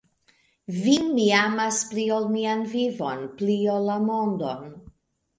Vin mi amas pli ol mian vivon, pli ol la mondon.